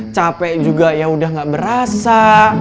capek juga yaudah gak berasa